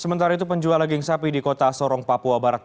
sementara itu penjual daging sapi di kota sorong papua barat